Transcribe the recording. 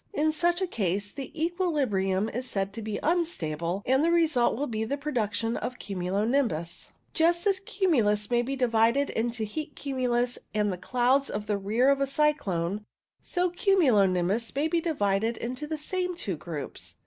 In such a case the equilibrium is said to be unstable, and the result will be the production of cumulo nimbus. UNSTABLE EQUILIBRIUM 107 Just as cumulus may be divided into heat cumulus and the clouds of the rear of a cyclone, so cumulo nimbus may be divided into the same two groups.